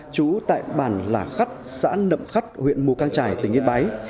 chú tại bản lạ khắt xã nậm khắt huyện mù cang trải tỉnh yên bái